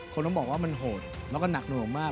ต้องบอกว่ามันโหดแล้วก็หนักหน่วงมาก